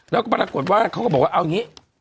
แล้วก็ปรากฏว่าเขาก็บอกว่าเอาอย่างนี้